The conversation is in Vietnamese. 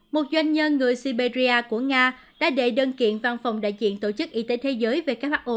một doanh nhân người siberia của nga đã đệ đơn kiện văn phòng đại diện tổ chức y tế thế giới who